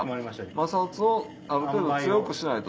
摩擦をある程度強くしないと。